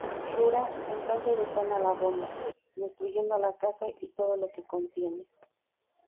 Shura entonces detona la bomba, destruyendo la casa y todo lo que contiene.